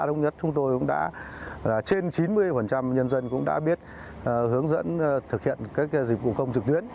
hiện nay trên địa bàn xã thống nhất trên chín mươi nhân dân cũng đã biết hướng dẫn thực hiện các dịch vụ công trực tuyến